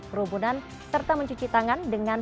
kerumunan serta mencuci tangan dengan